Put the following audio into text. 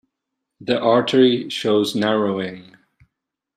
The artery shows narrowing.